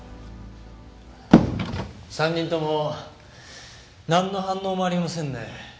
３人ともなんの反応もありませんねえ。